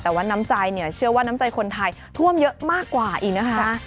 แต่ว่าน้ำใจเนี่ยเชื่อว่าน้ำใจคนไทยท่วมเยอะมากกว่าอีกนะคะ